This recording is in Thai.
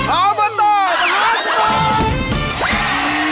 ออเบอร์ตอบหาสมุก